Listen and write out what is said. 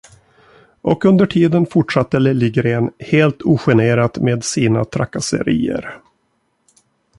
Och under tiden fortsatte Liljegren helt ogenerat med sina trakasserier.